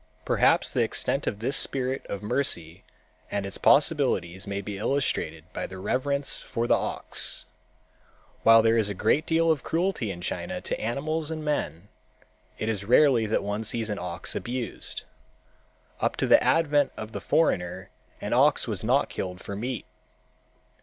Perhaps the extent of this spirit, of mercy and its possibilities may be illustrated by the reverence for the ox. While there is a great deal of cruelty in China to animals and men, it is rarely that one sees an ox abused. Up to the advent of the foreigner an ox was not killed for meat.